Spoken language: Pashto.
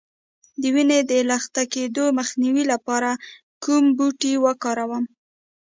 د وینې د لخته کیدو مخنیوي لپاره کوم بوټی وکاروم؟